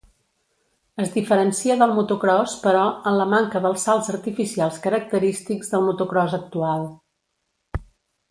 Es diferencia del motocròs, però, en la manca dels salts artificials característics del motocròs actual.